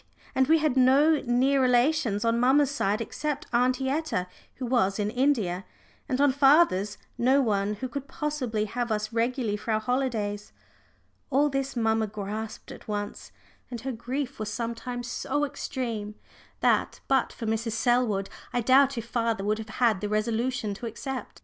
And we had no near relations on mamma's side except Aunty Etta, who was in India, and on father's no one who could possibly have us regularly for our holidays. All this mamma grasped at once, and her grief was sometimes so extreme that, but for Mrs. Selwood, I doubt if father would have had the resolution to accept.